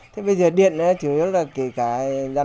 thế bây giờ điện chủ yếu là kể cả